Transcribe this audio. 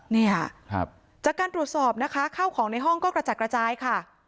เนี่ยจากการตรวจสอบนะคะข้าวของในห้องก็กระจัดกระจายค่ะ